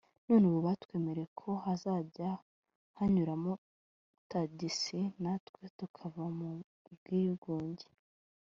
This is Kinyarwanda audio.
none ubu batwemereye ko hazajya hanyuramo tagisi natwe tukava mu bwigunge”